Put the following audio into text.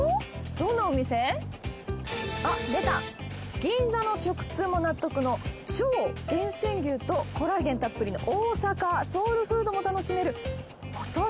銀座の食通も納得の超厳選牛とコラーゲンたっぷりの大阪ソウルフードも楽しめるオトナ